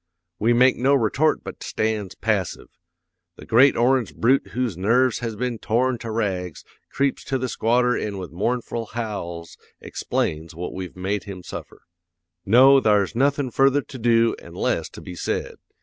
"'We makes no retort but stands passive. The great orange brute whose nerves has been torn to rags creeps to the squatter an' with mournful howls explains what we've made him suffer. "'No, thar's nothin' further to do an' less to be said.